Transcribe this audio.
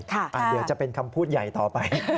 เดี๋ยวจะเป็นคำพูดใหญ่ต่อไป